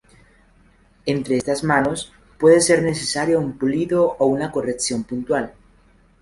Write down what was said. Entre estas manos, puede ser necesario un pulido o una corrección puntual.